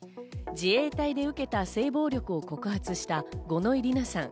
自衛隊で受けた性暴力を告発した五ノ井里奈さん。